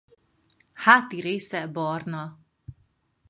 Háti része barna.